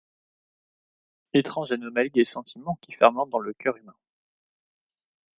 Étrange anomalie des sentiments qui fermentent dans le cœur humain !